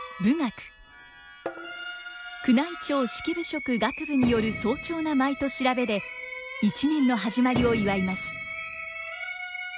宮内庁式部職楽部による荘重な舞と調べで一年の始まりを祝います。